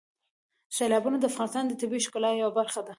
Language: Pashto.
سیلابونه د افغانستان د طبیعت د ښکلا یوه برخه ده.